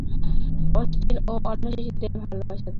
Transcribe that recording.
Austen ও অন্য শিশুদের ভালবাসা দেবেন।